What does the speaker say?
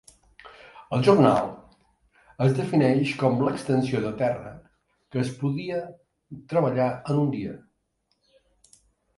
El jornal es defineix com l'extensió de terra que es podia treballar en un dia.